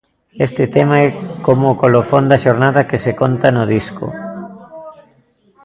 Este tema é como o colofón da xornada que se conta no disco.